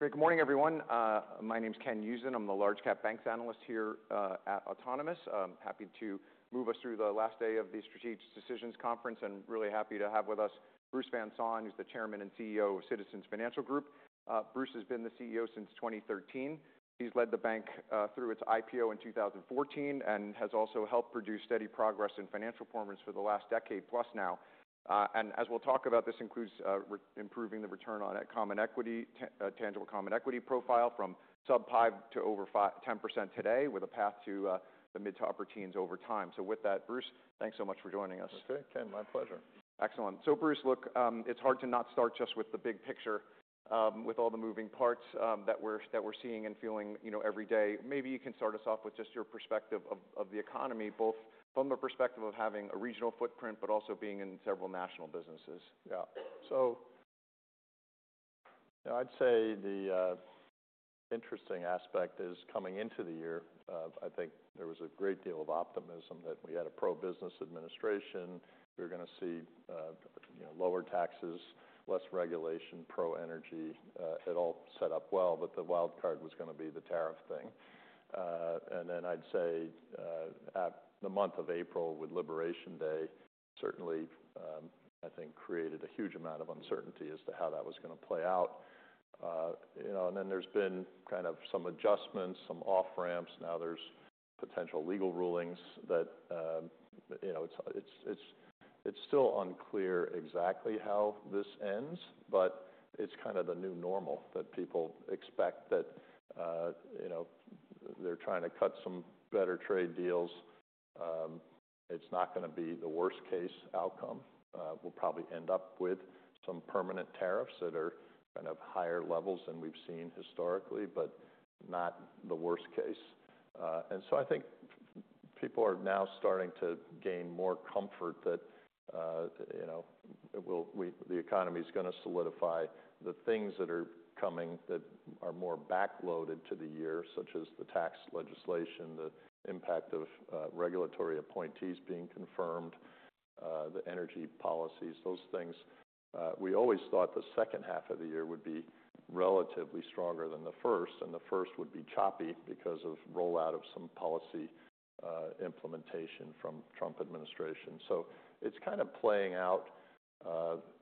Good morning, everyone. My name's Ken Usdin. I'm the Large-Cap Banks Analyst here at Autonomous. I'm happy to move us through the last day of the strategic decisions conference, and really happy to have with us Bruce Van Saun, who's the Chairman and CEO of Citizens Financial Group. Bruce has been the CEO since 2013. He's led the bank through its IPO in 2014 and has also helped produce steady progress in financial performance for the last decade-plus now. As we'll talk about, this includes improving the return on a common equity, tangible common equity profile from sub-5% to over 10% today, with a path to the mid to upper teens over time. With that, Bruce, thanks so much for joining us. Okay, Ken, my pleasure. Excellent. Bruce, look, it's hard to not start just with the big picture, with all the moving parts that we're seeing and feeling every day. Maybe you can start us off with just your perspective of the economy, both from the perspective of having a regional footprint, but also being in several national businesses. Yeah. I'd say the interesting aspect is coming into the year, I think there was a great deal of optimism that we had a pro-business administration. We were going to see lower taxes, less regulation, pro-energy. It all set up well, but the wild card was going to be the tariff thing. I'd say the month of April, with Liberation Day, certainly, I think, created a huge amount of uncertainty as to how that was going to play out. There's been kind of some adjustments, some off-ramps. Now there's potential legal rulings that it's still unclear exactly how this ends, but it's kind of the new normal that people expect that they're trying to cut some better trade deals. It's not going to be the worst-case outcome. We'll probably end up with some permanent tariffs that are kind of higher levels than we've seen historically, but not the worst case. I think people are now starting to gain more comfort that the economy is going to solidify. The things that are coming that are more backloaded to the year, such as the tax legislation, the impact of regulatory appointees being confirmed, the energy policies, those things. We always thought the second half of the year would be relatively stronger than the first, and the first would be choppy because of rollout of some policy implementation from the Trump administration. It's kind of playing out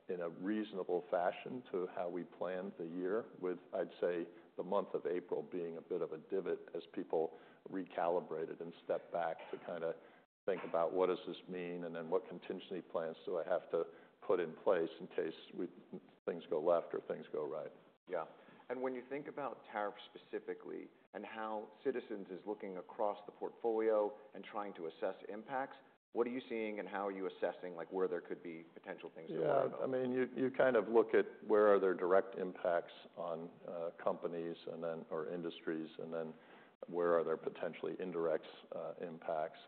in a reasonable fashion to how we planned the year, with, I'd say, the month of April being a bit of a divot as people recalibrated and stepped back to kind of think about what does this mean, and then what contingency plans do I have to put in place in case things go left or things go right. Yeah. When you think about tariffs specifically and how Citizens is looking across the portfolio and trying to assess impacts, what are you seeing and how are you assessing where there could be potential things to add on? Yeah. I mean, you kind of look at where are there direct impacts on companies or industries, and then where are there potentially indirect impacts.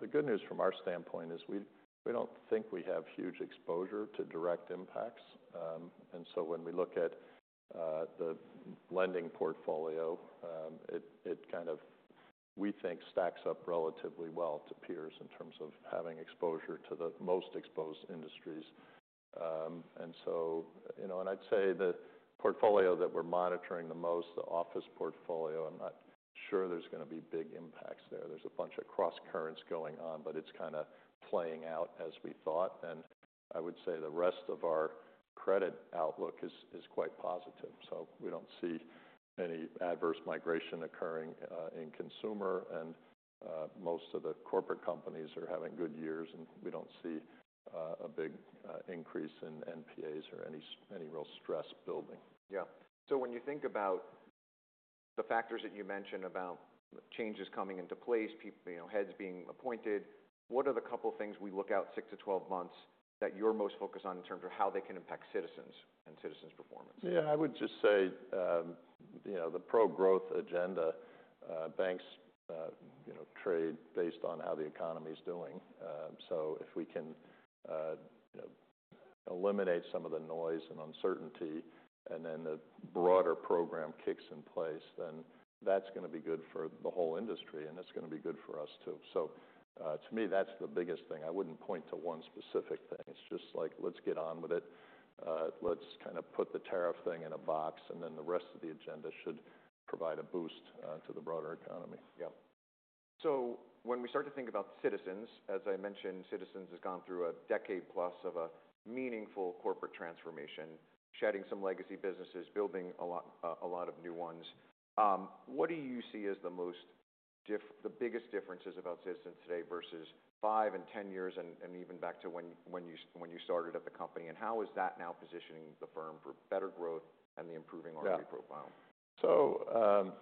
The good news from our standpoint is we do not think we have huge exposure to direct impacts. When we look at the lending portfolio, it kind of, we think, stacks up relatively well to peers in terms of having exposure to the most exposed industries. I would say the portfolio that we are monitoring the most, the Office portfolio, I am not sure there is going to be big impacts there. There are a bunch of cross-currents going on, but it is kind of playing out as we thought. I would say the rest of our credit outlook is quite positive. We don't see any adverse migration occurring in consumer, and most of the corporate companies are having good years, and we don't see a big increase in NPAs or any real stress building. Yeah. So when you think about the factors that you mentioned about changes coming into place, heads being appointed, what are the couple of things we look out six to 12 months that you're most focused on in terms of how they can impact Citizens and Citizens' performance? Yeah. I would just say the pro-growth agenda, banks trade based on how the economy is doing. If we can eliminate some of the noise and uncertainty and then the broader program kicks in place, then that's going to be good for the whole industry, and it's going to be good for us too. To me, that's the biggest thing. I wouldn't point to one specific thing. It's just like, let's get on with it. Let's kind of put the tariff thing in a box, and then the rest of the agenda should provide a boost to the broader economy. Yeah. When we start to think about Citizens, as I mentioned, Citizens has gone through a decade-plus of a meaningful corporate transformation, shedding some legacy businesses, building a lot of new ones. What do you see as the biggest differences about Citizens today versus five and 10 years and even back to when you started at the company? How is that now positioning the firm for better growth and the improving R&D profile? Yeah. So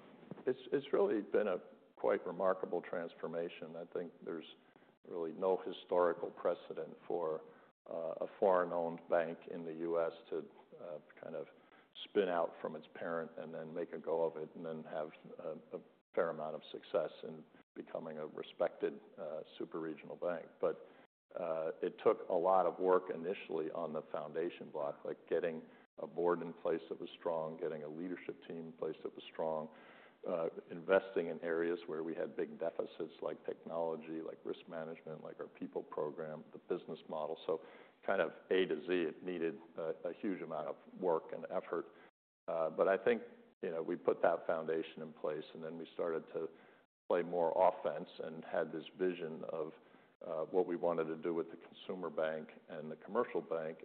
it's really been a quite remarkable transformation. I think there's really no historical precedent for a foreign-owned bank in the U.S. to kind of spin out from its parent and then make a go of it and then have a fair amount of success in becoming a respected super-regional bank. It took a lot of work initially on the foundation block, like getting a Board in place that was strong, getting a leadership team in place that was strong, investing in areas where we had big deficits, like technology, like risk management, like our people program, the business model. So kind of A to Z, it needed a huge amount of work and effort. I think we put that foundation in place, and then we started to play more offense and had this vision of what we wanted to do with the Consumer Bank and the commercial bank.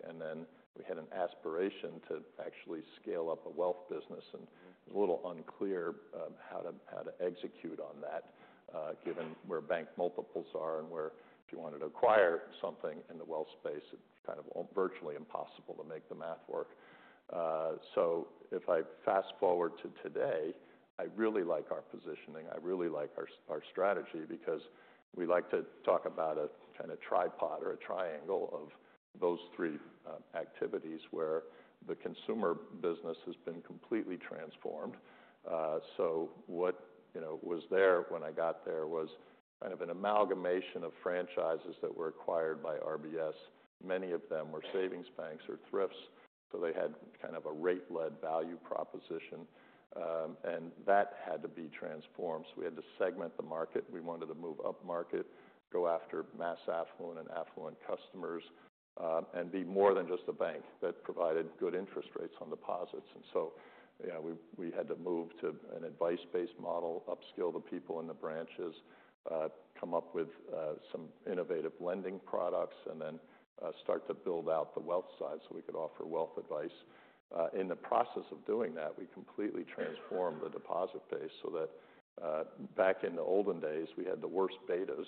We had an aspiration to actually scale up a wealth business. It was a little unclear how to execute on that, given where bank multiples are and where if you wanted to acquire something in the wealth space, it is kind of virtually impossible to make the math work. If I fast-forward to today, I really like our positioning. I really like our strategy because we like to talk about a kind of tripod or a triangle of those three activities where the consumer business has been completely transformed. What was there when I got there was kind of an amalgamation of franchises that were acquired by RBS. Many of them were savings banks or thrifts. They had kind of a rate-led value proposition. That had to be transformed. We had to segment the market. We wanted to move up-market, go after mass affluent and affluent customers, and be more than just a bank that provided good interest rates on deposits. We had to move to an advice-based model, upskill the people in the branches, come up with some innovative lending products, and then start to build out the wealth side so we could offer wealth advice. In the process of doing that, we completely transformed the deposit base so that back in the olden days, we had the worst betas.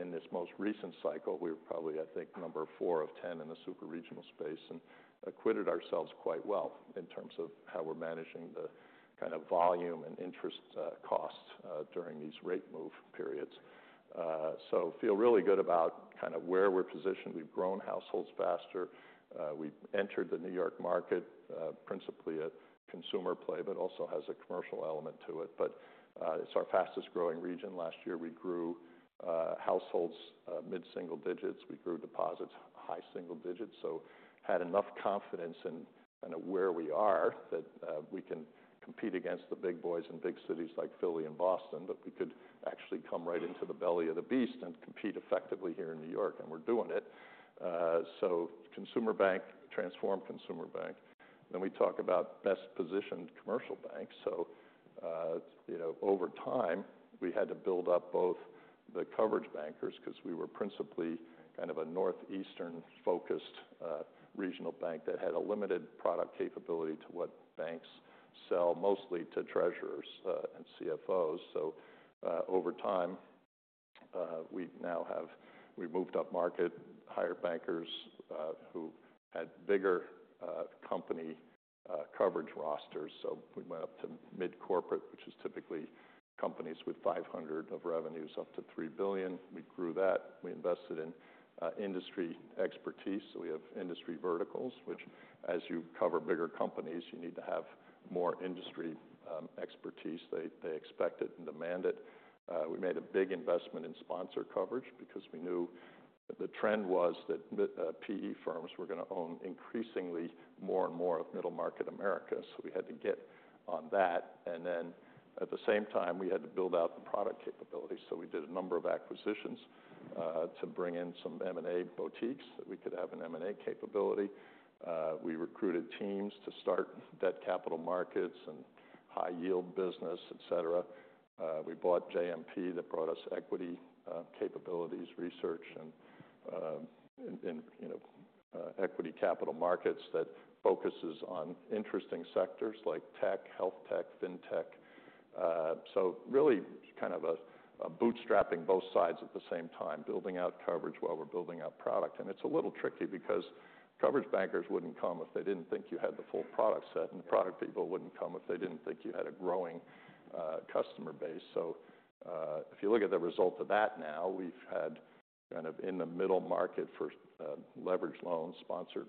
In this most recent cycle, we were probably, I think, number four of 10 in the super-regional space and acquitted ourselves quite well in terms of how we're managing the kind of volume and interest costs during these rate move periods. I feel really good about kind of where we're positioned. We've grown households faster. We entered the New York market principally at consumer play, but also has a commercial element to it. It is our fastest-growing region. Last year, we grew households mid-single digits. We grew deposits high single digits. We had enough confidence in kind of where we are that we can compete against the big boys in big cities like Philly and Boston, but we could actually come right into the belly of the beast and compete effectively here in New York. We're doing it. Consumer Bank, transformed Consumer Bank. We talk about best-positioned commercial bank. Over time, we had to build up both the coverage bankers because we were principally kind of a northeastern-focused regional bank that had a limited product capability to what banks sell, mostly to treasurers and CFOs. Over time, we moved up-market, hired bankers who had bigger company coverage rosters. We went up to mid-corporate, which is typically companies with $500 million of revenues up to $3 billion. We grew that. We invested in industry expertise. We have industry verticals, which, as you cover bigger companies, you need to have more industry expertise. They expect it and demand it. We made a big investment in sponsor coverage because we knew the trend was that PE firms were going to own increasingly more and more of middle-market America. We had to get on that. At the same time, we had to build out the product capability. We did a number of acquisitions to bring in some M&A boutiques that we could have an M&A capability. We recruited teams to start debt capital markets and high-yield business, etc. We bought JMP that brought us equity capabilities, research, and equity capital markets that focuses on interesting sectors like tech, health tech, fintech. Really kind of bootstrapping both sides at the same time, building out coverage while we are building out product. It is a little tricky because coverage bankers would not come if they did not think you had the full product set, and the product people would not come if they did not think you had a growing customer base. If you look at the result of that now, we've had kind of in the middle market for leverage loans, sponsored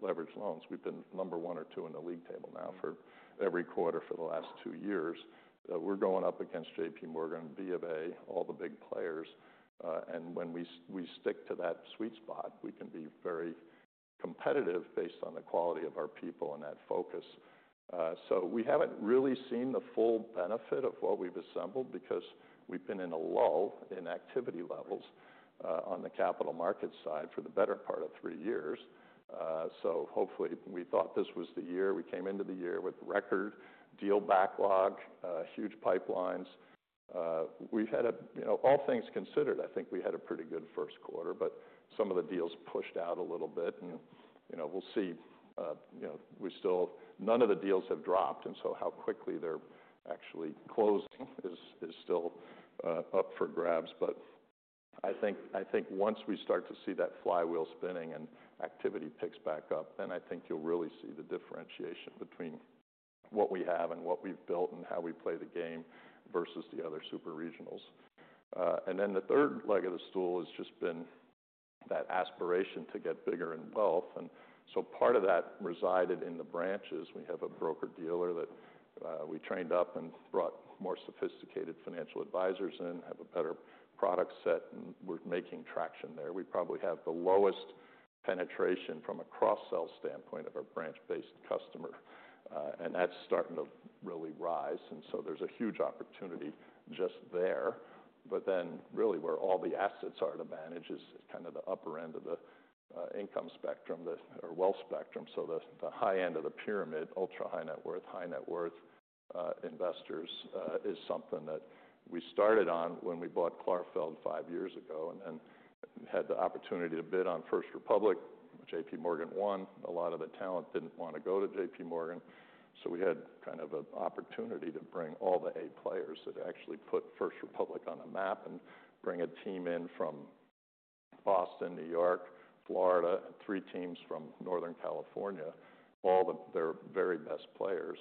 leverage loans, we've been number one or two in the league table now for every quarter for the last two years. We're going up against JPMorgan, BofA, all the big players. When we stick to that sweet spot, we can be very competitive based on the quality of our people and that focus. We haven't really seen the full benefit of what we've assembled because we've been in a lull in activity levels on the capital market side for the better part of three years. Hopefully, we thought this was the year. We came into the year with record deal backlog, huge pipelines. We've had, all things considered, I think we had a pretty good first quarter, but some of the deals pushed out a little bit. We'll see. None of the deals have dropped. How quickly they're actually closing is still up for grabs. I think once we start to see that flywheel spinning and activity picks back up, then I think you'll really see the differentiation between what we have and what we've built and how we play the game versus the other super-regionals. The third leg of the stool has just been that aspiration to get bigger in wealth. Part of that resided in the branches. We have a broker-dealer that we trained up and brought more sophisticated financial advisors in, have a better product set, and we're making traction there. We probably have the lowest penetration from a cross-sell standpoint of our branch-based customer. That is starting to really rise. There is a huge opportunity just there. Really where all the assets are to manage is kind of the upper end of the income spectrum or wealth spectrum. The high end of the pyramid, ultra-high net worth, high net worth investors is something that we started on when we bought Clarfeld five years ago and then had the opportunity to bid on First Republic. JPMorgan won. A lot of the talent did not want to go to JPMorgan. We had kind of an opportunity to bring all the A players that actually put First Republic on the map and bring a team in from Boston, New York, Florida, three teams from Northern California, all their very best players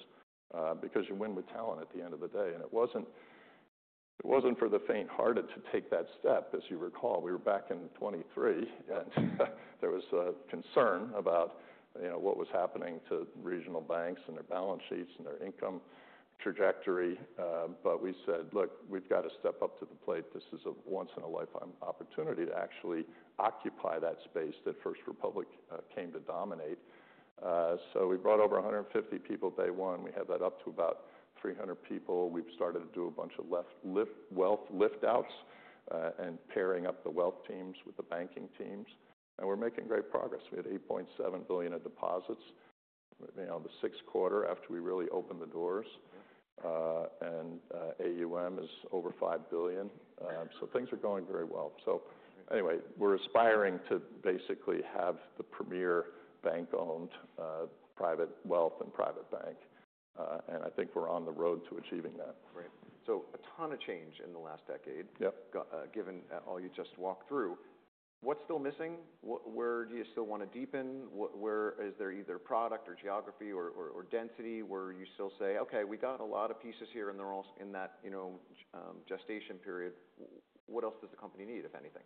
because you win with talent at the end of the day. It was not for the faint-hearted to take that step. As you recall, we were back in 2023, and there was concern about what was happening to regional banks and their balance sheets and their income trajectory. We said, "Look, we've got to step up to the plate. This is a once-in-a-lifetime opportunity to actually occupy that space that First Republic came to dominate." We brought over 150 people day one. We had that up to about 300 people. We've started to do a bunch of wealth lift-outs and pairing up the wealth teams with the banking teams. We're making great progress. We had $8.7 billion of deposits the sixth quarter after we really opened the doors. AUM is over $5 billion. Things are going very well. Anyway, we're aspiring to basically have the premier bank-owned private wealth and private bank. I think we're on the road to achieving that. Great. A ton of change in the last decade, given all you just walked through. What's still missing? Where do you still want to deepen? Is there either product or geography or density where you still say, "Okay, we got a lot of pieces here in that gestation period"? What else does the company need, if anything?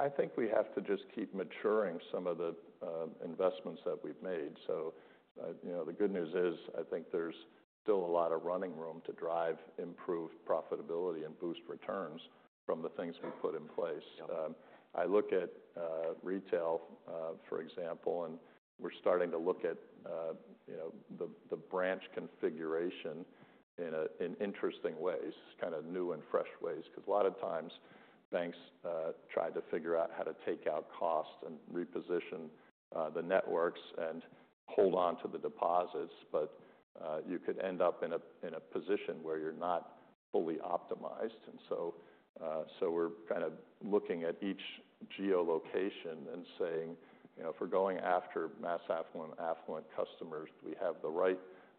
I think we have to just keep maturing some of the investments that we've made. The good news is I think there's still a lot of running room to drive improved profitability and boost returns from the things we put in place. I look at retail, for example, and we're starting to look at the branch configuration in interesting ways, kind of new and fresh ways. A lot of times, banks try to figure out how to take out costs and reposition the networks and hold on to the deposits. You could end up in a position where you're not fully optimized. We're kind of looking at each geolocation and saying, "If we're going after mass affluent customers, do we have the right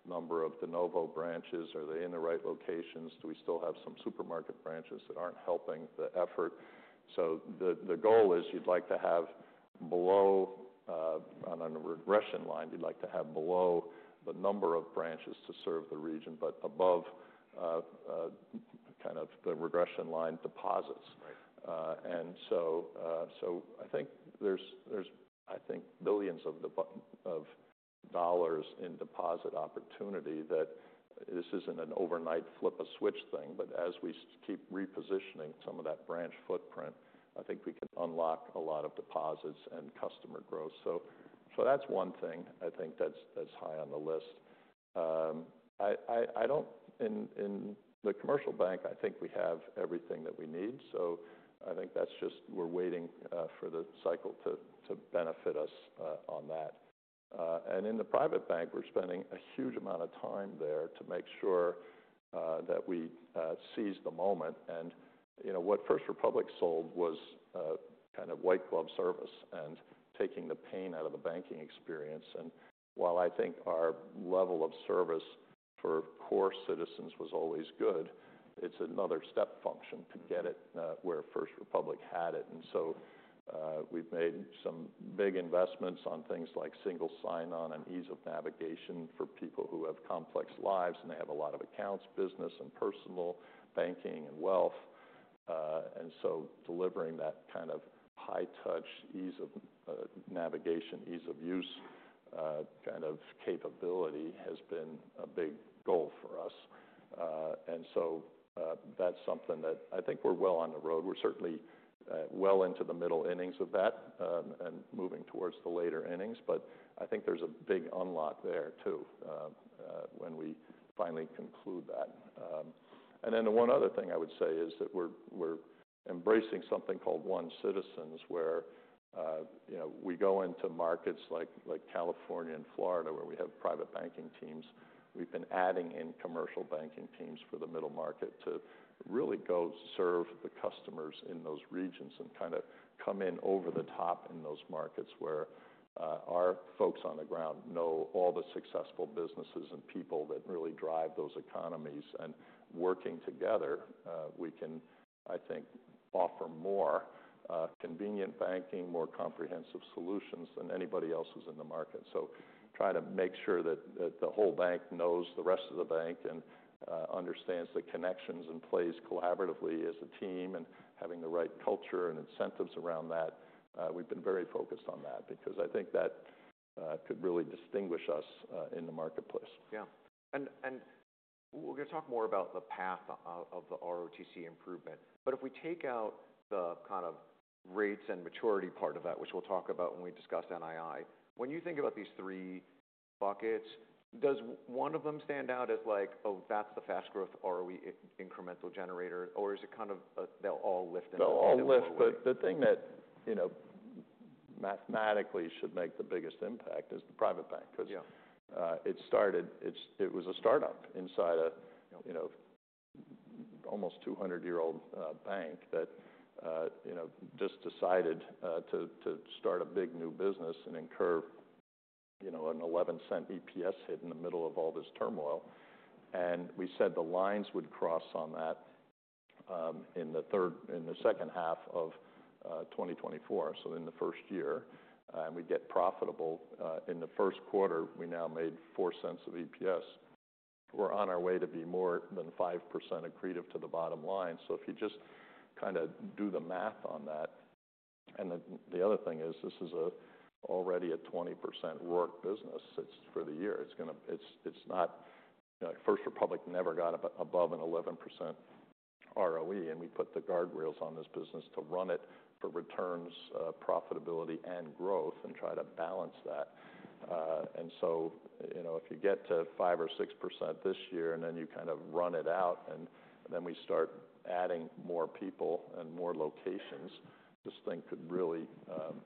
number of de novo branches? Are they in the right locations? Do we still have some supermarket branches that are not helping the effort? The goal is you would like to have below, on a regression line, you would like to have below the number of branches to serve the region, but above the regression line deposits. I think there are, I think, billions of dollars in deposit opportunity. This is not an overnight flip-a-switch thing, but as we keep repositioning some of that branch footprint, I think we could unlock a lot of deposits and customer growth. That is one thing I think is high on the list. In the commercial bank, I think we have everything that we need. I think we are just waiting for the cycle to benefit us on that. In the private bank, we are spending a huge amount of time there to make sure that we seize the moment. What First Republic sold was kind of white-glove service and taking the pain out of the banking experience. While I think our level of service for core Citizens was always good, it's another step function to get it where First Republic had it. We have made some big investments on things like single sign-on and ease of navigation for people who have complex lives and they have a lot of accounts, business and personal banking and wealth. Delivering that kind of high-touch ease of navigation, ease of use kind of capability has been a big goal for us. That is something that I think we're well on the road. We're certainly well into the middle innings of that and moving towards the later innings. I think there's a big unlock there too when we finally conclude that. The one other thing I would say is that we're embracing something called One Citizens, where we go into markets like California and Florida, where we have private banking teams. We've been adding in commercial banking teams for the middle market to really go serve the customers in those regions and kind of come in over the top in those markets where our folks on the ground know all the successful businesses and people that really drive those economies. Working together, we can, I think, offer more convenient banking, more comprehensive solutions than anybody else who's in the market. Try to make sure that the whole bank knows the rest of the bank and understands the connections and plays collaboratively as a team and having the right culture and incentives around that. We've been very focused on that because I think that could really distinguish us in the marketplace. Yeah. We're going to talk more about the path of the ROTCE improvement. If we take out the kind of rates and maturity part of that, which we'll talk about when we discuss NII, when you think about these three buckets, does one of them stand out as like, "Oh, that's the fast-growth ROE incremental generator," or is it kind of they'll all lift and all lift? They'll all lift. The thing that mathematically should make the biggest impact is the private bank because it started, it was a startup inside an almost 200-year-old bank that just decided to start a big new business and incur an $0.11 EPS hit in the middle of all this turmoil. We said the lines would cross on that in the second half of 2024, so in the first year. We get profitable. In the first quarter, we now made $0.04 of EPS. We're on our way to be more than 5% accretive to the bottom line. If you just kind of do the math on that. The other thing is this is already a 20% ROA business for the year. It's not First Republic, never got above an 11% ROE. We put the guardrails on this business to run it for returns, profitability, and growth and try to balance that. If you get to 5% or 6% this year and then you kind of run it out and then we start adding more people and more locations, this thing could really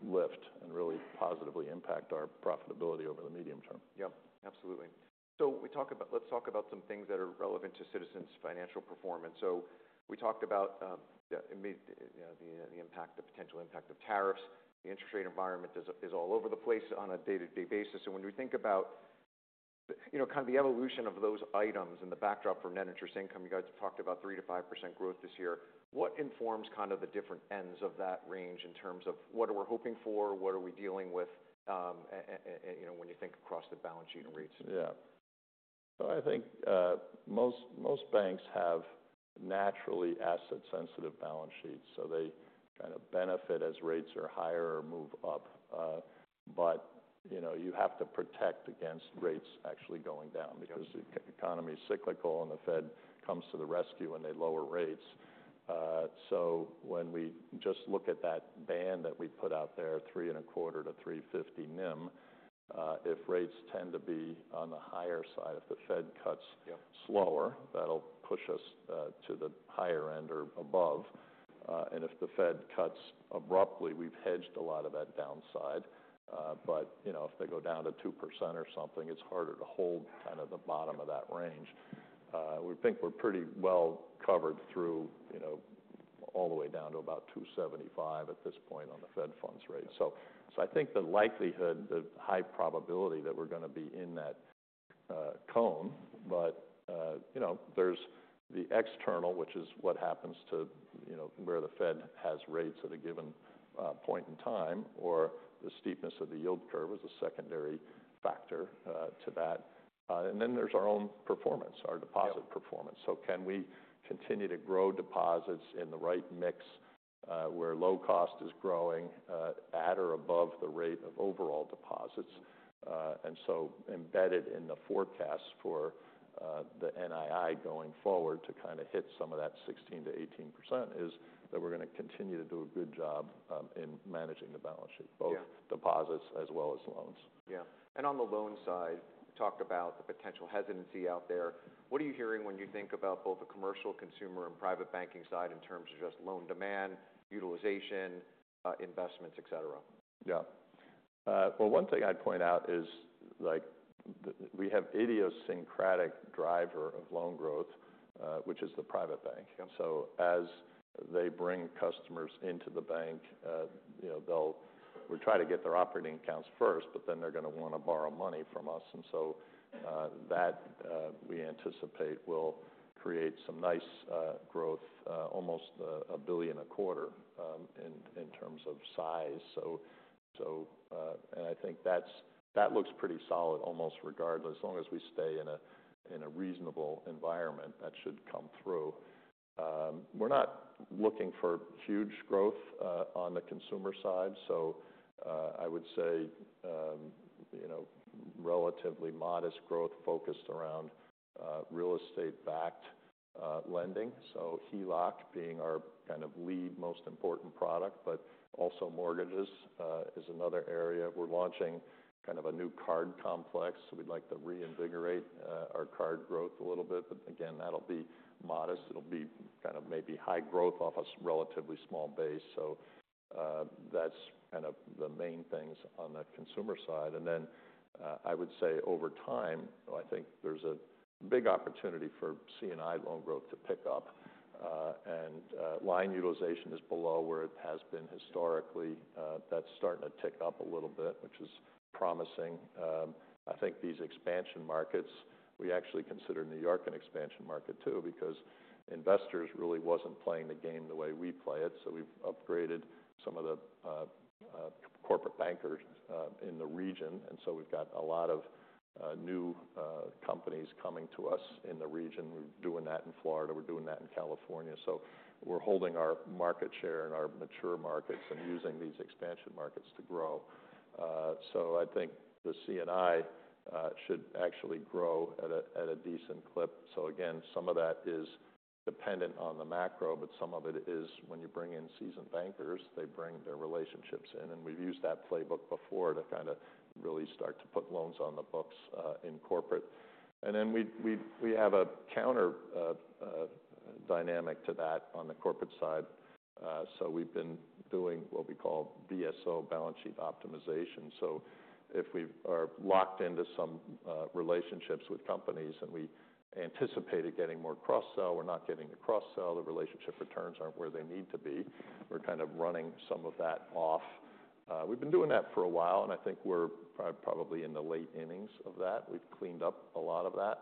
lift and really positively impact our profitability over the medium term. Yep. Absolutely. Let's talk about some things that are relevant to Citizens' financial performance. We talked about the impact, the potential impact of tariffs. The interest rate environment is all over the place on a day-to-day basis. When we think about kind of the evolution of those items and the backdrop for net interest income, you guys talked about 3%-5% growth this year. What informs kind of the different ends of that range in terms of what are we hoping for? What are we dealing with when you think across the balance sheet and rates? Yeah. I think most banks have naturally asset-sensitive balance sheets. They kind of benefit as rates are higher or move up. You have to protect against rates actually going down because the economy is cyclical and the Fed comes to the rescue when they lower rates. When we just look at that band that we put out there, 3.25%-3.50% NIM, if rates tend to be on the higher side, if the Fed cuts slower, that'll push us to the higher end or above. If the Fed cuts abruptly, we've hedged a lot of that downside. If they go down to 2% or something, it's harder to hold the bottom of that range. We think we're pretty well covered through all the way down to about 2.75% at this point on the Fed funds rate. I think the likelihood, the high probability that we're going to be in that cone. There is the external, which is what happens to where the Fed has rates at a given point in time, or the steepness of the yield curve as a secondary factor to that. Then there is our own performance, our deposit performance. Can we continue to grow deposits in the right mix where low cost is growing at or above the rate of overall deposits? Embedded in the forecast for the NII going forward to kind of hit some of that 16%-18% is that we're going to continue to do a good job in managing the balance sheet, both deposits as well as loans. Yeah. On the loan side, you talked about the potential hesitancy out there. What are you hearing when you think about both the commercial, consumer, and private banking side in terms of just loan demand, utilization, investments, etc.? Yeah. One thing I'd point out is we have an idiosyncratic driver of loan growth, which is the private bank. As they bring customers into the bank, we're trying to get their operating accounts first, but then they're going to want to borrow money from us. That, we anticipate, will create some nice growth, almost $1 billion a quarter in terms of size. I think that looks pretty solid almost regardless, as long as we stay in a reasonable environment, that should come through. We're not looking for huge growth on the consumer side. I would say relatively modest growth focused around real estate-backed lending. HELOC being our kind of lead, most important product, but also mortgages is another area. We're launching kind of a new card complex. We'd like to reinvigorate our card growth a little bit. Again, that'll be modest. It'll be kind of maybe high growth off a relatively small base. That's kind of the main things on the consumer side. I would say over time, I think there's a big opportunity for C&I loan growth to pick up. Line utilization is below where it has been historically. That's starting to tick up a little bit, which is promising. I think these expansion markets, we actually consider New York an expansion market too because investors really were not playing the game the way we play it. We have upgraded some of the corporate bankers in the region. We have a lot of new companies coming to us in the region. We are doing that in Florida. We are doing that in California. We are holding our market share in our mature markets and using these expansion markets to grow. I think the C&I should actually grow at a decent clip. Again, some of that is dependent on the macro, but some of it is when you bring in seasoned bankers, they bring their relationships in. We have used that playbook before to kind of really start to put loans on the books in corporate. We have a counter dynamic to that on the corporate side. We have been doing what we call BSO, Balance Sheet Optimization. If we are locked into some relationships with companies and we anticipated getting more cross-sell, we are not getting the cross-sell. The relationship returns are not where they need to be. We are kind of running some of that off. We have been doing that for a while, and I think we are probably in the late innings of that. We have cleaned up a lot of that.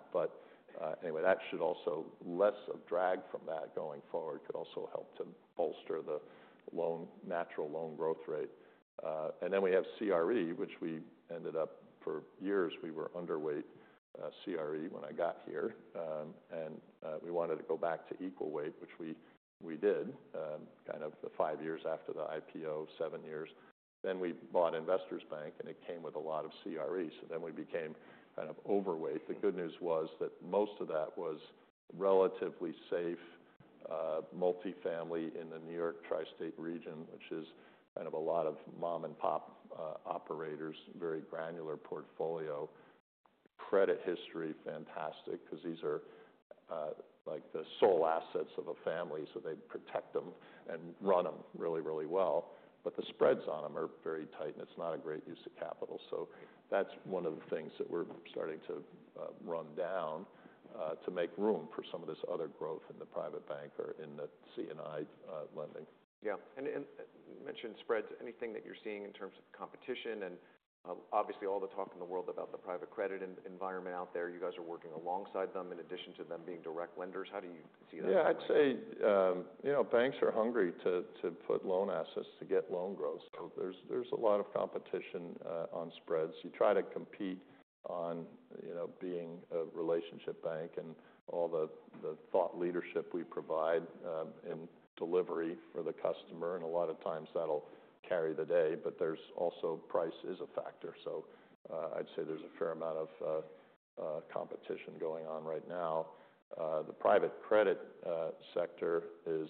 Anyway, that should also be less of a drag from that going forward, could also help to bolster the natural loan growth rate. We have CRE, which we ended up for years, we were underweight CRE when I got here. We wanted to go back to equal weight, which we did kind of five years after the IPO, seven years. We bought Investors Bank, and it came with a lot of CRE. We became kind of overweight. The good news was that most of that was relatively safe multifamily in the New York Tri-State region, which is kind of a lot of mom-and-pop operators, very granular portfolio, credit history fantastic because these are like the sole assets of a family. They protect them and run them really, really well. The spreads on them are very tight, and it's not a great use of capital. That is one of the things that we're starting to run down to make room for some of this other growth in the private bank or in the C&I lending. Yeah. You mentioned spreads. Anything that you're seeing in terms of competition? Obviously, all the talk in the world about the private credit environment out there, you guys are working alongside them in addition to them being direct lenders. How do you see that? Yeah. I'd say banks are hungry to put loan assets to get loan growth. There is a lot of competition on spreads. You try to compete on being a relationship bank and all the thought leadership we provide in delivery for the customer. A lot of times that'll carry the day. Price is also a factor. I'd say there is a fair amount of competition going on right now. The private credit sector is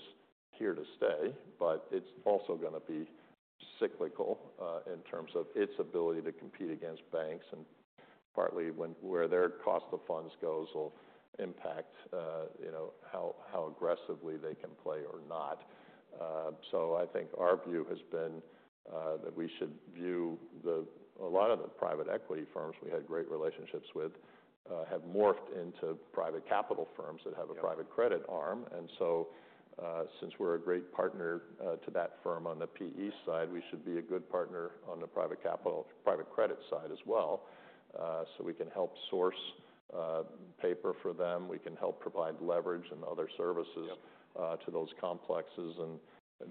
here to stay, but it is also going to be cyclical in terms of its ability to compete against banks. Partly where their cost of funds goes will impact how aggressively they can play or not. I think our view has been that we should view a lot of the private equity firms we had great relationships with have morphed into private capital firms that have a private credit arm. Since we're a great partner to that firm on the PE side, we should be a good partner on the private capital private credit side as well. We can help source paper for them. We can help provide leverage and other services to those complexes and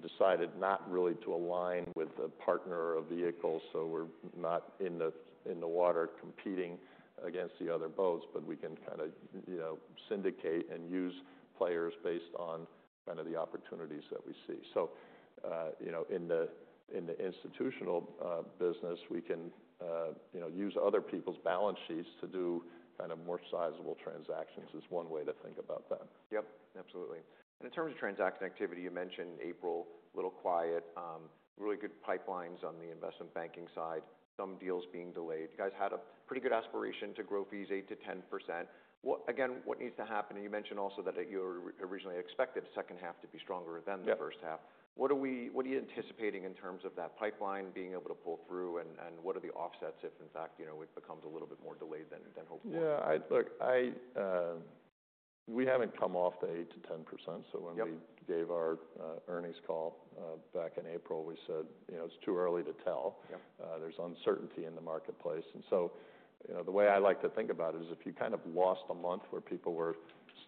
decided not really to align with a partner or a vehicle. We're not in the water competing against the other boats, but we can kind of syndicate and use players based on the opportunities that we see. In the institutional business, we can use other people's balance sheets to do more sizable transactions is one way to think about that. Yep. Absolutely. In terms of transaction activity, you mentioned April, a little quiet, really good pipelines on the investment banking side, some deals being delayed. You guys had a pretty good aspiration to grow fees 8%-10%. Again, what needs to happen? You mentioned also that you originally expected the second half to be stronger than the first half. What are you anticipating in terms of that pipeline being able to pull through? What are the offsets if, in fact, it becomes a little bit more delayed than hoped for? Yeah. Look, we haven't come off the 8%-10%. So when we gave our earnings call back in April, we said it's too early to tell. There's uncertainty in the marketplace. The way I like to think about it is if you kind of lost a month where people were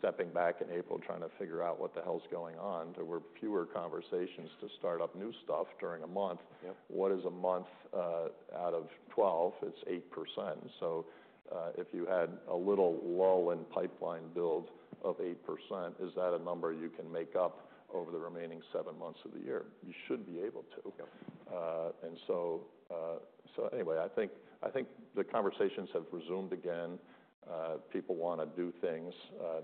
stepping back in April trying to figure out what the hell's going on, there were fewer conversations to start up new stuff during a month. What is a month out of 12? It's 8%. If you had a little lull in pipeline build of 8%, is that a number you can make up over the remaining seven months of the year? You should be able to. Anyway, I think the conversations have resumed again. People want to do things.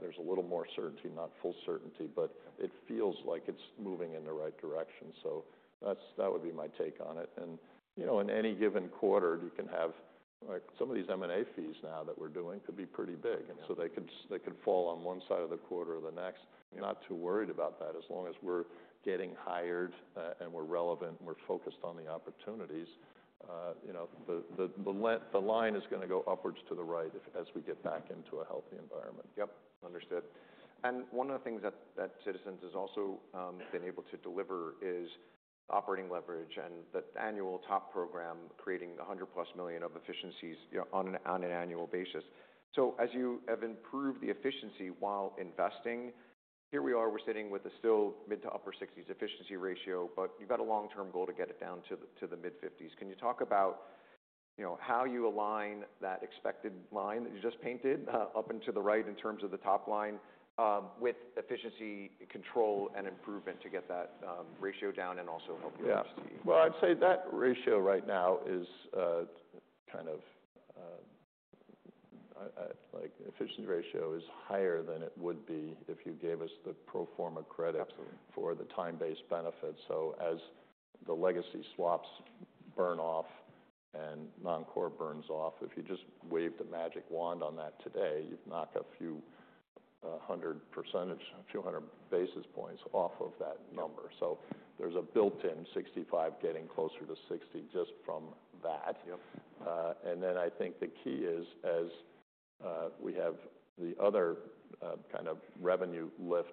There's a little more certainty, not full certainty, but it feels like it's moving in the right direction. That would be my take on it. In any given quarter, you can have some of these M&A fees now that we're doing could be pretty big. They could fall on one side of the quarter or the next. Not too worried about that as long as we're getting hired and we're relevant and we're focused on the opportunities. The line is going to go upwards to the right as we get back into a healthy environment. Yep. Understood. One of the things that Citizens has also been able to deliver is operating leverage and the annual TOP program creating 100+ million of efficiencies on an annual basis. As you have improved the efficiency while investing, here we are, we're sitting with a still mid to upper 60s efficiency ratio, but you've got a long-term goal to get it down to the mid 50s. Can you talk about how you align that expected line that you just painted up into the right in terms of the top line with efficiency control and improvement to get that ratio down and also help your STE? Yeah. I'd say that ratio right now is kind of like efficiency ratio is higher than it would be if you gave us the pro forma credit for the time-based benefits. As the legacy swaps burn off and non-core burns off, if you just wave the magic wand on that today, you'd knock a few hundred basis points off of that number. There's a built-in 65 getting closer to 60 just from that. I think the key is as we have the other kind of revenue lift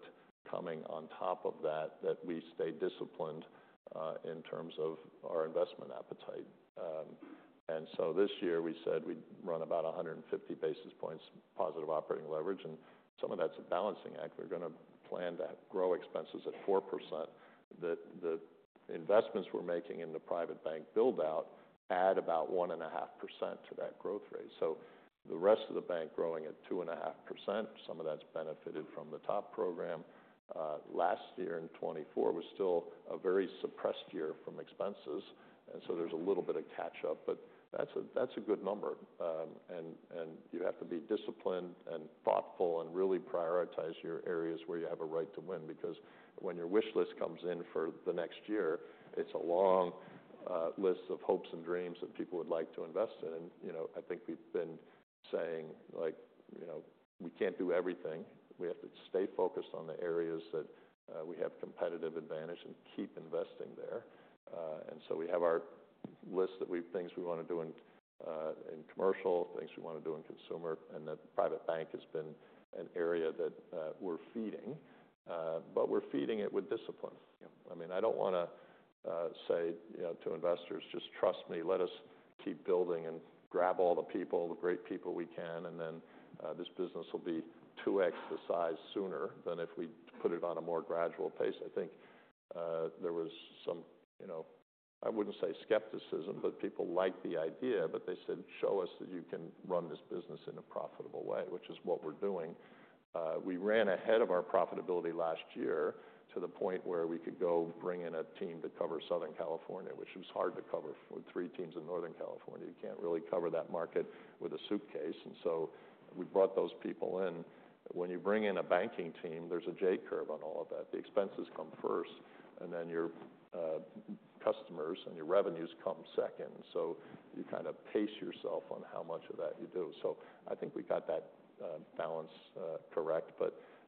coming on top of that, that we stay disciplined in terms of our investment appetite. This year we said we'd run about 150 basis points positive operating leverage. Some of that's a balancing act. We're going to plan to grow expenses at 4%. The investments we're making in the private bank buildout add about 1.5% to that growth rate. The rest of the bank growing at 2.5%, some of that's benefited from the top program. Last year in 2024 was still a very suppressed year from expenses. There is a little bit of catch-up, but that's a good number. You have to be disciplined and thoughtful and really prioritize your areas where you have a right to win because when your wish list comes in for the next year, it's a long list of hopes and dreams that people would like to invest in. I think we've been saying we can't do everything. We have to stay focused on the areas that we have competitive advantage and keep investing there. We have our list of things we want to do in commercial, things we want to do in consumer. The private bank has been an area that we're feeding, but we're feeding it with discipline. I mean, I don't want to say to investors, "Just trust me. Let us keep building and grab all the people, the great people we can, and then this business will be 2x the size sooner than if we put it on a more gradual pace." I think there was some, I wouldn't say skepticism, but people liked the idea. They said, "Show us that you can run this business in a profitable way," which is what we're doing. We ran ahead of our profitability last year to the point where we could go bring in a team to cover Southern California, which was hard to cover with three teams in Northern California. You can't really cover that market with a suitcase. We brought those people in. When you bring in a banking team, there's a J-curve on all of that. The expenses come first, and then your customers and your revenues come second. You kind of pace yourself on how much of that you do. I think we got that balance correct.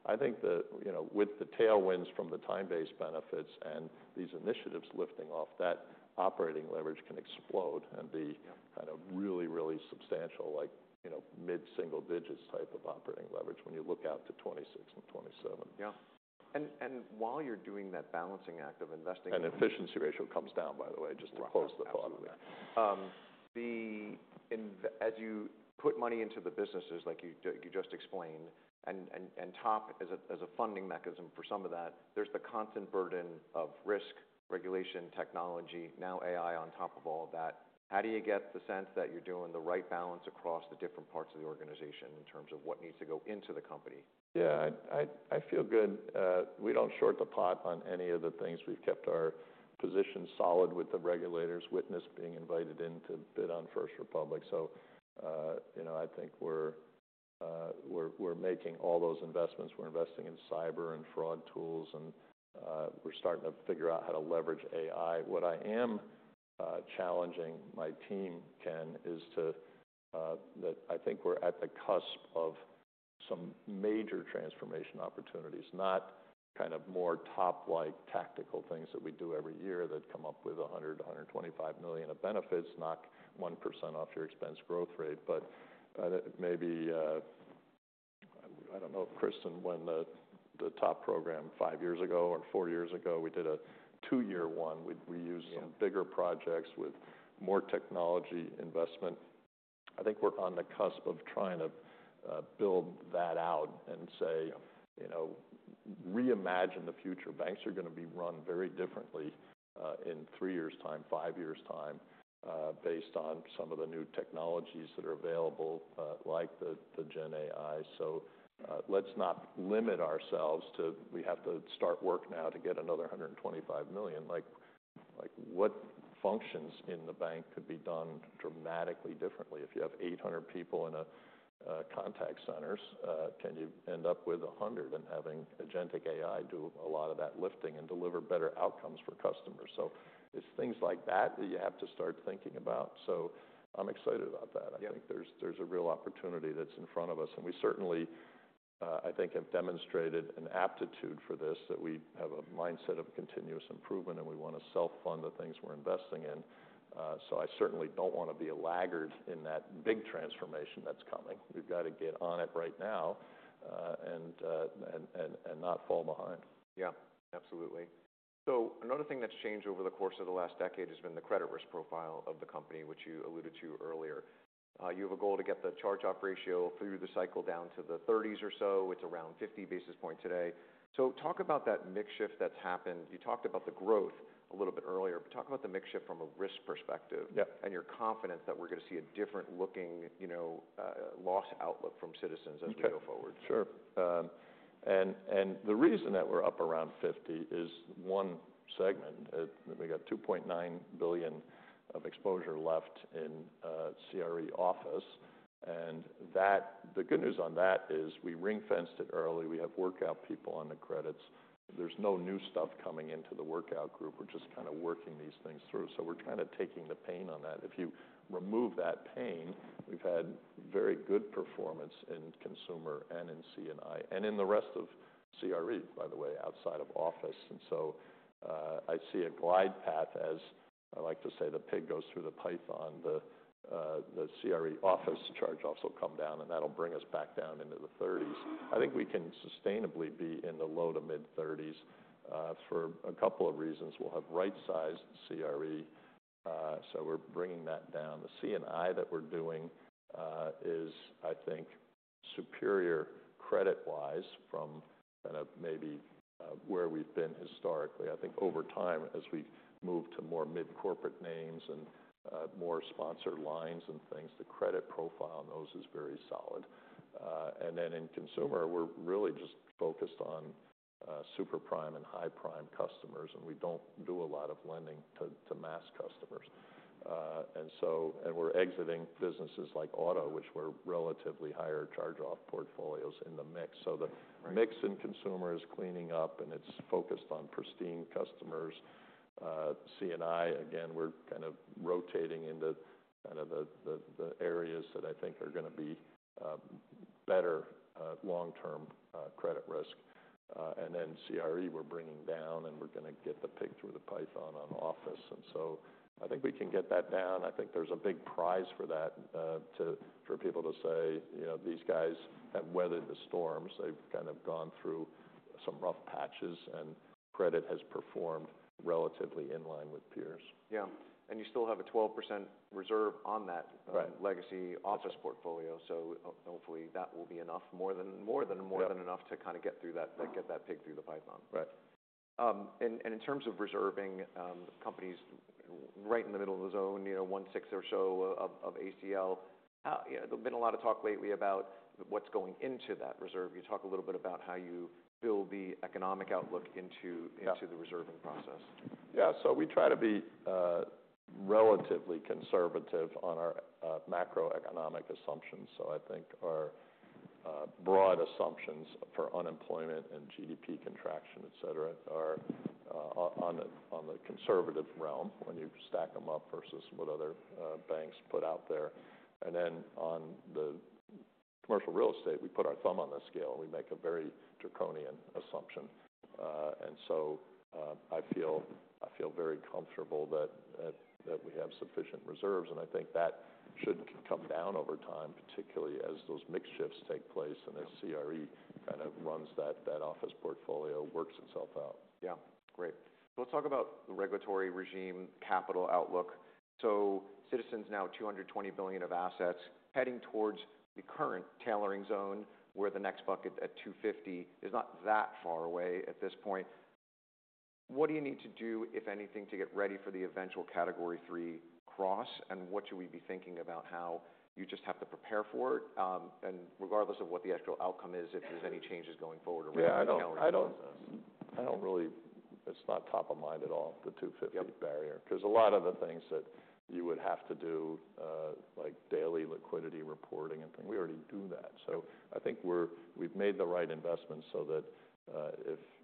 I think that with the tailwinds from the time-based benefits and these initiatives lifting off, that operating leverage can explode and be kind of really, really substantial, like mid single digits type of operating leverage when you look out to 2026 and 2027. Yeah. While you're doing that balancing act of investing. Efficiency ratio comes down, by the way, just to close the thought of it. As you put money into the businesses like you just explained and top as a funding mechanism for some of that, there's the constant burden of risk, regulation, technology, now AI on top of all of that. How do you get the sense that you're doing the right balance across the different parts of the organization in terms of what needs to go into the company? Yeah. I feel good. We do not short the pot on any of the things. We have kept our positions solid with the regulators, witness being invited in to bid on First Republic. I think we are making all those investments. We are investing in cyber and fraud tools, and we are starting to figure out how to leverage AI. What I am challenging my team, Ken, is that I think we are at the cusp of some major transformation opportunities, not kind of more top-like tactical things that we do every year that come up with $100 million-$125 million of benefits, knock 1% off your expense growth rate. Maybe, I do not know, Kristin, when the top program five years ago or four years ago, we did a two-year one. We used some bigger projects with more technology investment. I think we're on the cusp of trying to build that out and say, "Reimagine the future. Banks are going to be run very differently in three years' time, five years' time based on some of the new technologies that are available like the GenAI." Let's not limit ourselves to, "We have to start work now to get another $125 million." What functions in the bank could be done dramatically differently? If you have 800 people in contact centers, can you end up with 100 and having Agentic AI do a lot of that lifting and deliver better outcomes for customers? It is things like that that you have to start thinking about. I'm excited about that. I think there's a real opportunity that's in front of us. We certainly, I think, have demonstrated an aptitude for this that we have a mindset of continuous improvement, and we want to self-fund the things we're investing in. I certainly don't want to be a laggard in that big transformation that's coming. We've got to get on it right now and not fall behind. Yeah. Absolutely. Another thing that's changed over the course of the last decade has been the credit risk profile of the company, which you alluded to earlier. You have a goal to get the charge-off ratio through the cycle down to the 30s or so. It's around 50 basis points today. Talk about that makeshift that's happened. You talked about the growth a little bit earlier, but talk about the makeshift from a risk perspective and your confidence that we're going to see a different looking loss outlook from Citizens as we go forward. Sure. The reason that we're up around 50 is one segment. We got $2.9 billion of exposure left in CRE Office. The good news on that is we ring-fenced it early. We have workout people on the credits. There's no new stuff coming into the workout group. We're just kind of working these things through. We're kind of taking the pain on that. If you remove that pain, we've had very good performance in consumer and in C&I and in the rest of CRE, by the way, outside of Office. I see a glide path as I like to say the pig goes through the Python, the CRE Office charge-offs will come down, and that'll bring us back down into the 30s. I think we can sustainably be in the low to mid 30s for a couple of reasons. We'll have right-sized CRE. We're bringing that down. The C&I that we're doing is, I think, superior credit-wise from kind of maybe where we've been historically. I think over time, as we move to more mid-corporate names and more sponsored lines and things, the credit profile on those is very solid. In consumer, we're really just focused on super prime and high prime customers, and we don't do a lot of lending to mass customers. We're exiting businesses like auto, which were relatively higher charge-off portfolios in the mix. The mix in consumer is cleaning up, and it's focused on pristine customers. C&I, again, we're kind of rotating into the areas that I think are going to be better long-term credit risk. CRE, we're bringing down, and we're going to get the pig through the Python on Office. I think we can get that down. I think there's a big prize for that for people to say these guys have weathered the storms. They've kind of gone through some rough patches, and credit has performed relatively in line with peers. Yeah. You still have a 12% reserve on that legacy Office portfolio. Hopefully that will be enough, more than enough to kind of get that pig through the Python. Right. In terms of reserving, companies right in the middle of the zone, 1/6 or so of ACL, there's been a lot of talk lately about what's going into that reserve. You talk a little bit about how you build the economic outlook into the reserving process. Yeah. We try to be relatively conservative on our macroeconomic assumptions. I think our broad assumptions for unemployment and GDP contraction, etc., are on the conservative realm when you stack them up versus what other banks put out there. On the commercial real estate, we put our thumb on the scale, and we make a very draconian assumption. I feel very comfortable that we have sufficient reserves. I think that should come down over time, particularly as those makeshifts take place and as CRE kind of runs that Office portfolio, works itself out. Yeah. Great. Let's talk about the regulatory regime, capital outlook. Citizens now $220 billion of assets heading towards the current tailoring zone where the next bucket at $250 billion is not that far away at this point. What do you need to do, if anything, to get ready for the eventual category three cross? What should we be thinking about, how you just have to prepare for it? Regardless of what the actual outcome is, if there's any changes going forward or whether we know or don't know. I don't really, it's not top of mind at all, the 250 barrier, because a lot of the things that you would have to do, like daily liquidity reporting and things, we already do that. I think we've made the right investments so that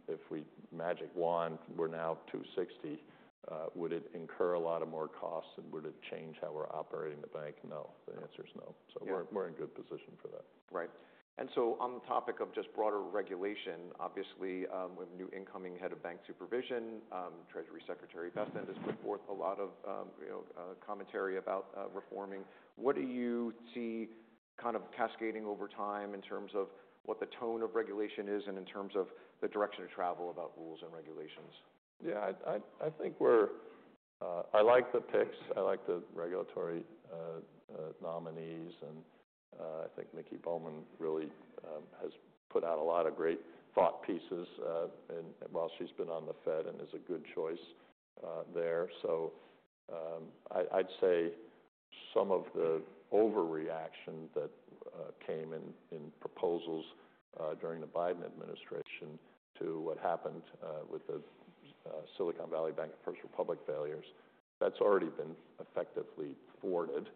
if we magic wand, we're now 260, would it incur a lot of more costs and would it change how we're operating the bank? No. The answer is no. We're in good position for that. Right. On the topic of just broader regulation, obviously with new incoming head of bank supervision, Treasury Secretary Bessent has put forth a lot of commentary about reforming. What do you see kind of cascading over time in terms of what the tone of regulation is and in terms of the direction to travel about rules and regulations? Yeah. I think we're, I like the picks. I like the regulatory nominees. I think Miki Bowman really has put out a lot of great thought pieces while she's been on the Fed and is a good choice there. I'd say some of the overreaction that came in proposals during the Biden administration to what happened with the Silicon Valley Bank and First Republic failures, that's already been effectively thwarted.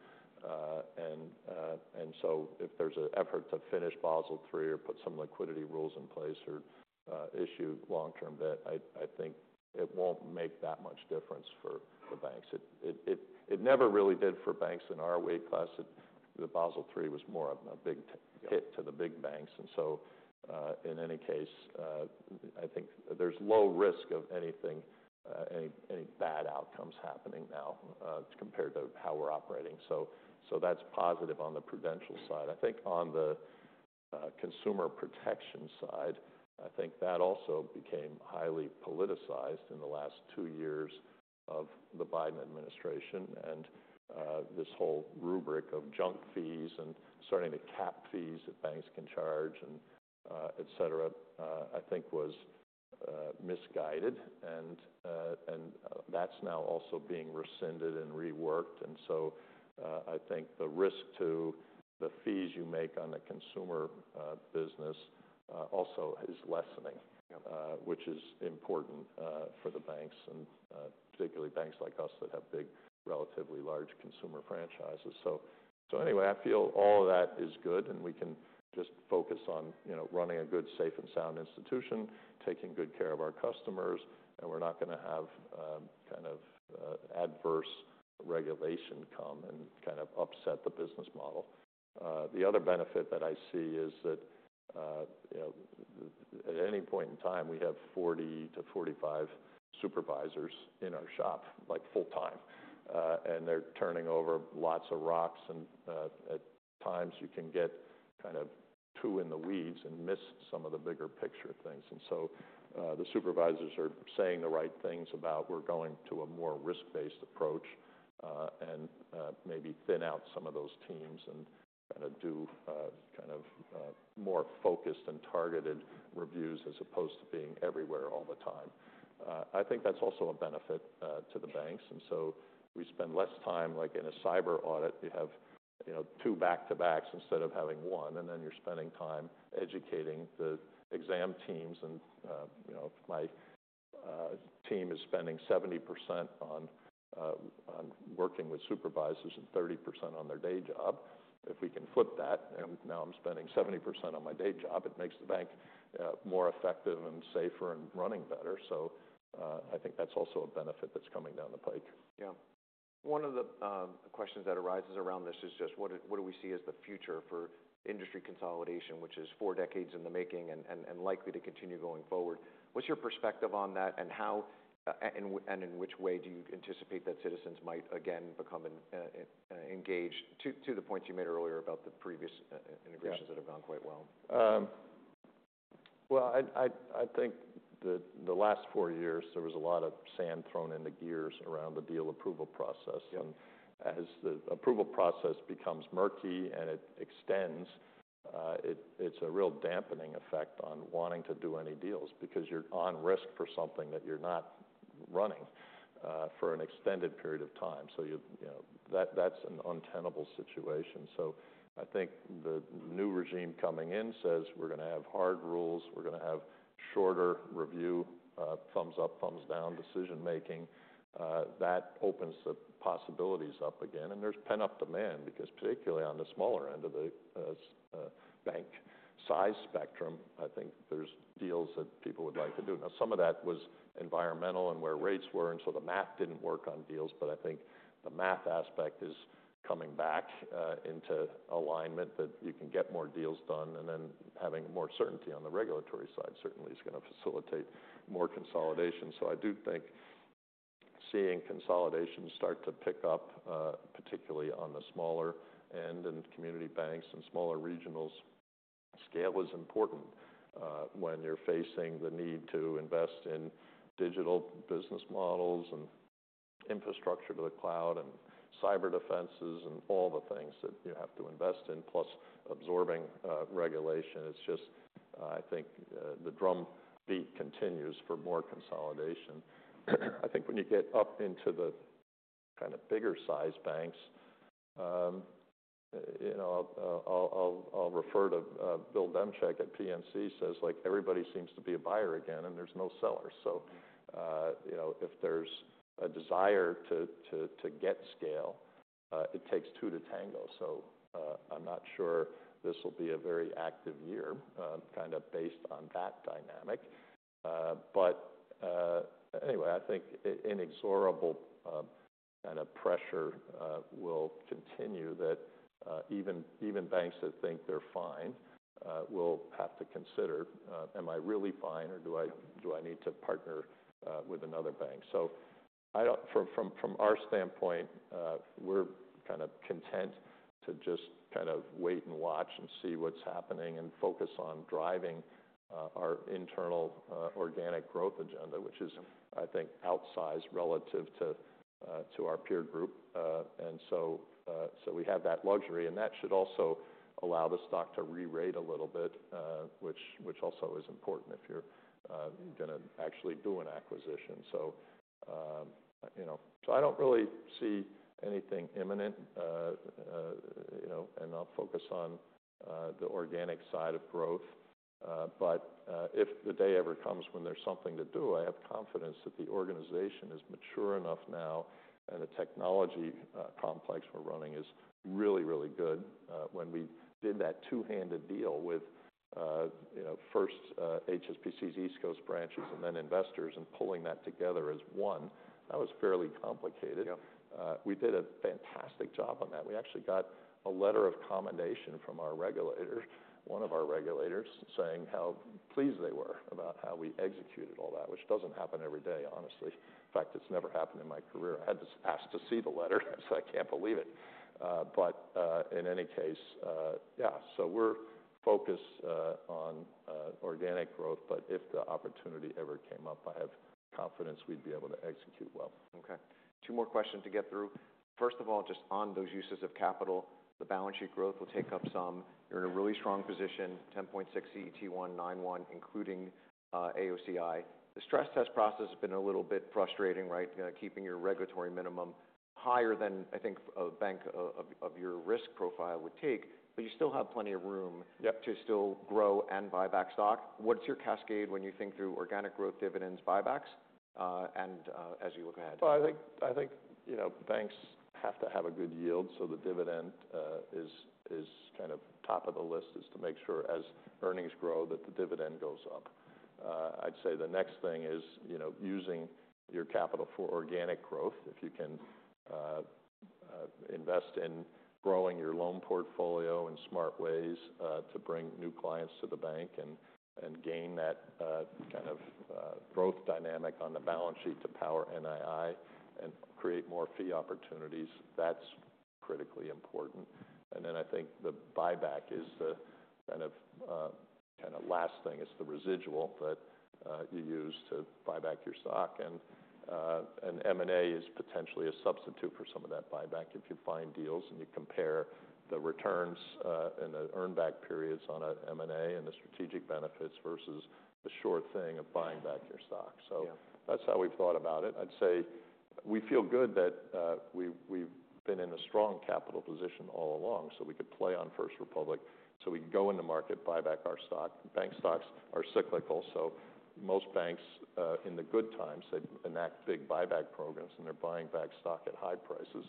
If there's an effort to finish Basel III or put some liquidity rules in place or issue long-term debt, I think it won't make that much difference for the banks. It never really did for banks in our weight class. Basel III was more of a big hit to the big banks. In any case, I think there's low risk of anything, any bad outcomes happening now compared to how we're operating. That's positive on the prudential side. I think on the consumer protection side, I think that also became highly politicized in the last two years of the Biden administration. This whole rubric of junk fees and starting to cap fees that banks can charge, etc., I think was misguided. That's now also being rescinded and reworked. I think the risk to the fees you make on the consumer business also is lessening, which is important for the banks, and particularly banks like us that have big, relatively large consumer franchises. Anyway, I feel all of that is good, and we can just focus on running a good, safe, and sound institution, taking good care of our customers, and we're not going to have kind of adverse regulation come and kind of upset the business model. The other benefit that I see is that at any point in time, we have 40-45 supervisors in our shop, like full time, and they're turning over lots of rocks. At times, you can get kind of too in the weeds and miss some of the bigger picture things. The supervisors are saying the right things about we're going to a more risk-based approach and maybe thin out some of those teams and kind of do kind of more focused and targeted reviews as opposed to being everywhere all the time. I think that's also a benefit to the banks. We spend less time, like in a cyber audit, you have two back-to-backs instead of having one, and then you're spending time educating the exam teams. My team is spending 70% on working with supervisors and 30% on their day job. If we can flip that, and now I'm spending 70% on my day job, it makes the bank more effective and safer and running better. I think that's also a benefit that's coming down the pike. Yeah. One of the questions that arises around this is just what do we see as the future for industry consolidation, which is four decades in the making and likely to continue going forward? What's your perspective on that, and in which way do you anticipate that Citizens might again become engaged to the points you made earlier about the previous integrations that have gone quite well? I think the last four years, there was a lot of sand thrown into gears around the deal approval process. As the approval process becomes murky and it extends, it's a real dampening effect on wanting to do any deals because you're on risk for something that you're not running for an extended period of time. That's an untenable situation. I think the new regime coming in says we're going to have hard rules. We're going to have shorter review, thumbs up, thumbs down decision-making. That opens the possibilities up again. There's pent-up demand because particularly on the smaller end of the bank size spectrum, I think there's deals that people would like to do. Now, some of that was environmental and where rates were, and the math didn't work on deals. I think the math aspect is coming back into alignment that you can get more deals done. Having more certainty on the regulatory side certainly is going to facilitate more consolidation. I do think seeing consolidation start to pick up, particularly on the smaller end and community banks and smaller regionals, scale is important when you're facing the need to invest in digital business models and infrastructure to the cloud and cyber defenses and all the things that you have to invest in, plus absorbing regulation. I think the drumbeat continues for more consolidation. I think when you get up into the kind of bigger size banks, I'll refer to Bill Demchak at PNC, says everybody seems to be a buyer again, and there's no sellers. If there's a desire to get scale, it takes two to tango. I'm not sure this will be a very active year kind of based on that dynamic. Anyway, I think inexorable kind of pressure will continue that even banks that think they're fine will have to consider, am I really fine or do I need to partner with another bank? From our standpoint, we're kind of content to just kind of wait and watch and see what's happening and focus on driving our internal organic growth agenda, which is, I think, outsized relative to our peer group. We have that luxury, and that should also allow the stock to re-rate a little bit, which also is important if you're going to actually do an acquisition. I don't really see anything imminent, and I'll focus on the organic side of growth. If the day ever comes when there's something to do, I have confidence that the organization is mature enough now, and the technology complex we're running is really, really good. When we did that two-handed deal with first HSBC's East Coast branches and then Investors and pulling that together as one, that was fairly complicated. We did a fantastic job on that. We actually got a letter of commendation from our regulator, one of our regulators, saying how pleased they were about how we executed all that, which doesn't happen every day, honestly. In fact, it's never happened in my career. I had to ask to see the letter. I said, "I can't believe it." In any case, yeah. We're focused on organic growth, but if the opportunity ever came up, I have confidence we'd be able to execute well. Okay. Two more questions to get through. First of all, just on those uses of capital, the balance sheet growth will take up some. You're in a really strong position, 10.6% CET1, 9.1% including AOCI. The stress test process has been a little bit frustrating, right? Keeping your regulatory minimum higher than, I think, a bank of your risk profile would take, but you still have plenty of room to still grow and buy back stock. What's your cascade when you think through organic growth, dividends, buybacks, and as you look ahead? I think banks have to have a good yield, so the dividend is kind of top of the list, is to make sure as earnings grow that the dividend goes up. I'd say the next thing is using your capital for organic growth. If you can invest in growing your loan portfolio in smart ways to bring new clients to the bank and gain that kind of growth dynamic on the balance sheet to power NII and create more fee opportunities, that's critically important. I think the buyback is the kind of last thing, is the residual that you use to buy back your stock. M&A is potentially a substitute for some of that buyback if you find deals and you compare the returns and the earnback periods on an M&A and the strategic benefits versus the sure thing of buying back your stock. That's how we've thought about it. I'd say we feel good that we've been in a strong capital position all along, so we could play on First Republic, so we can go into market, buy back our stock. Bank stocks are cyclical, so most banks in the good times, they enact big buyback programs, and they're buying back stock at high prices.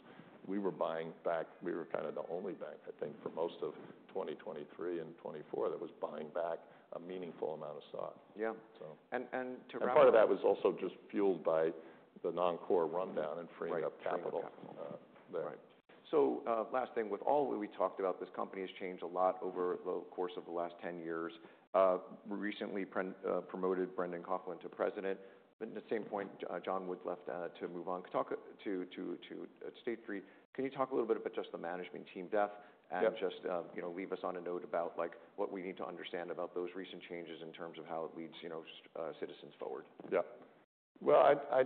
We were buying back, we were kind of the only bank, I think, for most of 2023 and 2024 that was buying back a meaningful amount of stock. Yeah. And to wrap up. Part of that was also just fueled by the non-core rundown and freeing up capital. Freeing up capital. Right. Last thing, with all that we talked about, this company has changed a lot over the course of the last 10 years. Recently promoted Brendan Coughlin to President. At the same point, John Woods left to move on to State Street. Can you talk a little bit about just the management team depth and just leave us on a note about what we need to understand about those recent changes in terms of how it leads Citizens forward? Yeah. I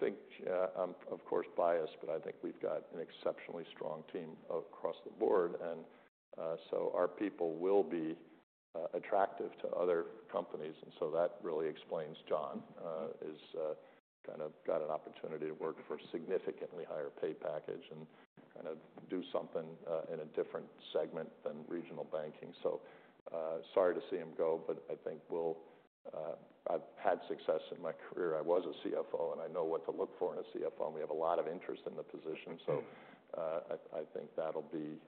think I am, of course, biased, but I think we have got an exceptionally strong team across the Board. Our people will be attractive to other companies. That really explains John has kind of got an opportunity to work for a significantly higher pay package and kind of do something in a different segment than regional banking. Sorry to see him go, but I think we will, I have had success in my career. I was a CFO, and I know what to look for in a CFO. We have a lot of interest in the position. I think that will be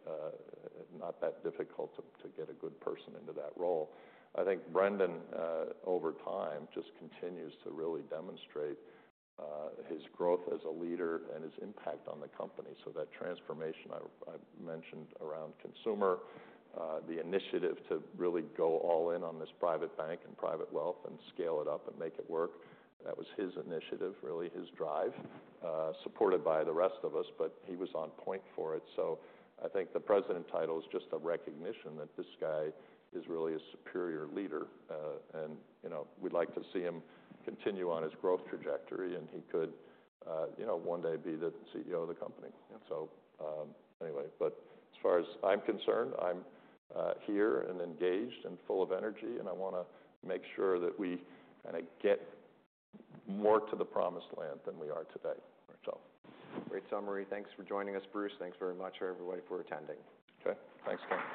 not that difficult to get a good person into that role. I think Brendan, over time, just continues to really demonstrate his growth as a leader and his impact on the company. That transformation I mentioned around consumer, the initiative to really go all in on this private bank and private wealth and scale it up and make it work, that was his initiative, really his drive, supported by the rest of us, but he was on point for it. I think the President title is just a recognition that this guy is really a superior leader. We'd like to see him continue on his growth trajectory, and he could one day be the CEO of the company. Anyway, as far as I'm concerned, I'm here and engaged and full of energy, and I want to make sure that we kind of get more to the promised land than we are today. Great summary. Thanks for joining us, Bruce. Thanks very much for everybody for attending. Okay. Thanks, Ken.